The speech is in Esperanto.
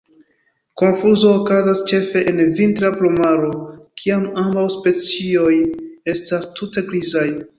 Konfuzo okazas ĉefe en vintra plumaro, kiam ambaŭ specioj estas tute grizaj.